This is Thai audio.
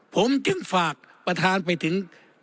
ผมจึงฝากประธานไปถึง